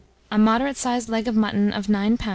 A moderate sized leg of mutton of 9 lbs.